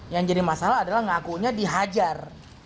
yang jadi masalah adalah ngakunya dihajar